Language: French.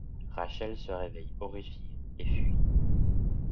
Rachel se réveille horrifiée et fuit.